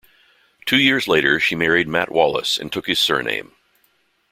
Two years later she married Matt Wallace and took his surname.